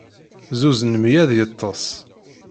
Zuzen mmi ad yeṭṭes.